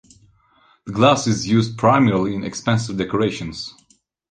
The glass is used primarily in expensive decorations.